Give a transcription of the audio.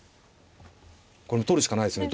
これも取るしかないですね。